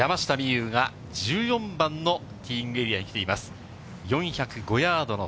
有が、１４番のティーイングエリアに来ています。